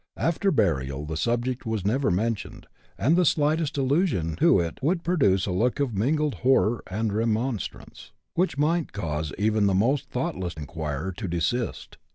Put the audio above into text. After burial the subject was never mentioned, and the slightest allusion to it would produce a look of mingled horror and remonstrance, which might cause even the most thoughtless inquirer to desist.